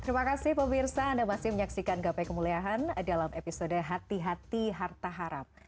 terima kasih pemirsa anda masih menyaksikan gapai kemuliaan dalam episode hati hati harta harap